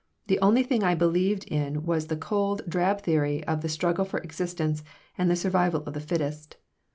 The only thing I believed in was the cold, drab theory of the struggle for existence and the survival of the fittest.